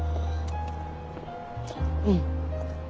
うん。